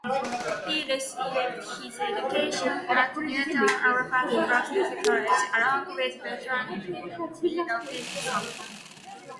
He received his education at Newton Abbot Proprietary College along with Bertram Fletcher Robinson.